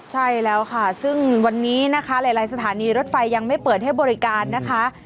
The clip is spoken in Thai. ใช่แล้วค่ะซึ่งวันนี้นะคะหลายสถานีรถไฟยังไม่เปิดให้บริการนะคะ